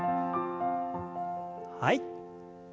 はい。